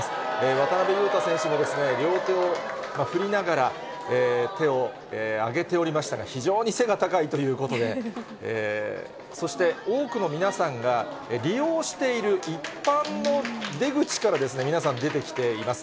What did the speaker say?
渡邊雄太選手も両手を振りながら、手を挙げておりましたが、非常に背が高いということで、そして、多くの皆さんが利用している一般の出口から皆さん、出てきています。